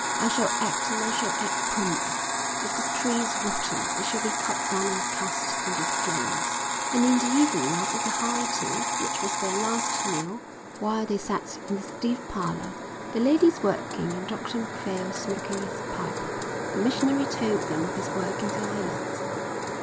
I shall act and I shall act promptly. If the tree is rotten it shall be cut down and cast into the flames." And in the evening after the high tea which was their last meal, while they sat in the stiff parlour, the ladies working and Dr Macphail smoking his pipe, the missionary told them of his work in the islands.